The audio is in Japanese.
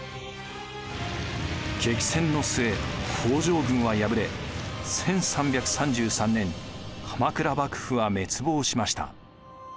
激戦の末北条軍は敗れ１３３３年鎌倉幕府は滅亡しました。